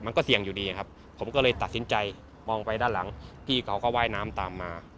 มันก็เสี่ยงอยู่ดีครับผมก็เลยตัดสินใจมองไปด้านหลังพี่เขาก็ว่ายน้ำตามมา